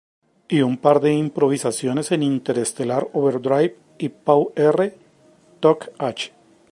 Y un par de improvisaciones en Interstellar Overdrive y Pow R. Toc H..